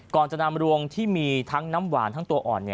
ก่อนจะนำรวงที่มีทั้งน้ำหวานทั้งตัวอ่อน